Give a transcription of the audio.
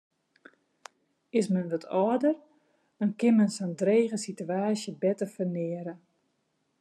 Is men wat âlder, dan kin men sa'n drege sitewaasje better ferneare.